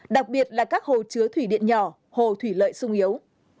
đặc biệt là các hồ chứa thủy điện nhỏ hồ thủy lợi sung yếu